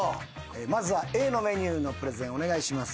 まずはＡのメニューのプレゼンをお願いします。